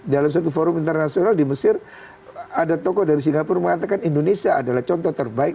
dalam satu forum internasional di mesir ada tokoh dari singapura mengatakan indonesia adalah contoh terbaik